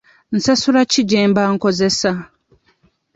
Nsasula ki gyemba nkozesa?